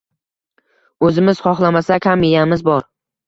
O’zimiz xohlamasak ham miyamiz bor